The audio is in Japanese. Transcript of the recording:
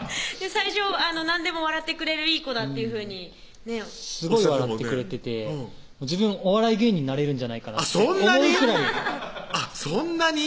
最初「何でも笑ってくれるいい子だ」っていうふうにねすごい笑ってくれてて自分お笑い芸人なれるんじゃないかなって思うくらいそんなに？